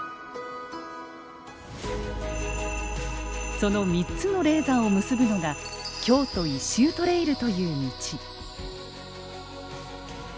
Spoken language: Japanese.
その３つの霊山を結ぶのが京都一周トレイルという道。